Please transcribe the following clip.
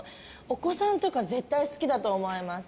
お子さんとか絶対好きだと思います。